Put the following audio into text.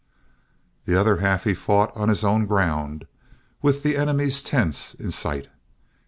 The other half he fought on his own ground, with the enemy's tents in sight.